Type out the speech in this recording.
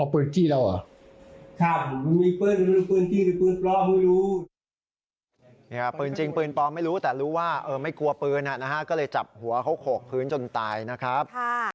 ปืนจริงปืนปลอมไม่รู้แต่รู้ว่าไม่กลัวปืนก็เลยจับหัวเขาโขกพื้นจนตายนะครับ